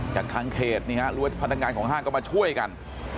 จากทั้งเขตเนี่ยฮะรวชพนักงานของห้างก็มาช่วยกัน